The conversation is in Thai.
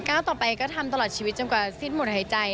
ต่อไปก็ทำตลอดชีวิตจนกว่าสิ้นหมดหายใจ